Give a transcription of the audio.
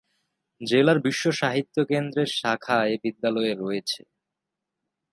জেলার বিশ্ব সাহিত্য কেন্দ্রের শাখা এ বিদ্যালয়ে রয়েছে।